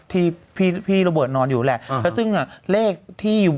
ที่พี่ระเบือดนอนอยู่แหละซึ่งเลขที่อยู่